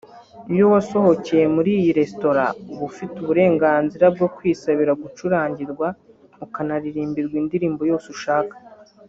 Iyo wasohokeye muri iyi restaurant uba ufite uburenganzira bwo kwisabira gucurangirwa ukanaririmbirwa indirimbo yose ushaka